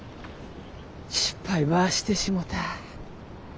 失敗ばしてしもた。